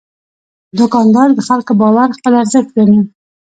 دوکاندار د خلکو باور خپل ارزښت ګڼي.